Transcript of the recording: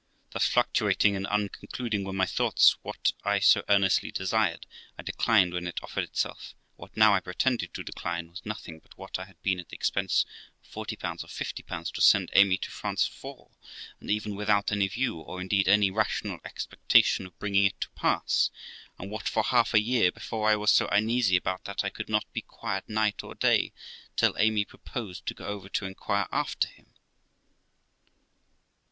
Thus fluctuating and unconcluding were my thoughts, what 1 so earnestly desired, I declined when it offered itself; and what now I pretended to decline was nothing but what 1 had been at the expense of 40 or 50 to send Amy to France for, and even without any view, or, indeed, any rational expec tation of bringing it to pass; and what for half a year before I was so uneasy about that I could not be quiet night or day till Amy proposed to go over to inquire after him.